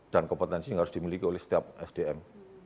dan kompetensi yang harus dimiliki oleh setiap sdm